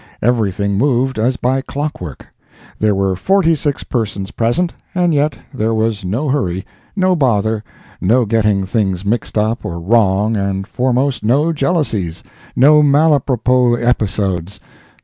Everything moved as by clock work. There were forty six persons present, and yet there was no hurry, no bother, no getting things mixed up or wrong and foremost, no jealousies, no mal apropos episodes.